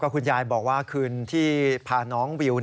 คุณยายบอกว่าคืนที่พาน้องวิว